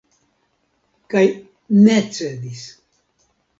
Kaj ne cedis.